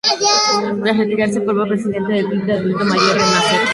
Tras retirarse, fue presidente del Club de Adulto Mayor Renacer.